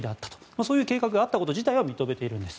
そういう計画があったこと自体は認めているんです。